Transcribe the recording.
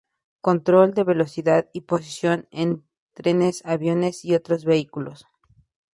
Control de velocidad y posición en trenes, aviones y otros vehículos.